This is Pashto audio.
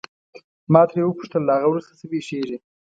ما ترې وپوښتل له هغه وروسته څه پېښیږي.